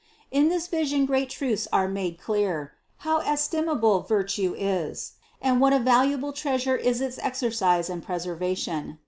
In this vision great truths are made clear ; how estimable virtue is, and what a valuable treas ure is its exercise and preservation.